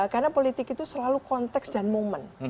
karena politik itu selalu konteks dan momen